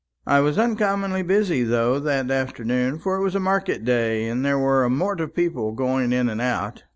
I was uncommonly busy through that afternoon, for it was market day, and there were a mort of people going in and out.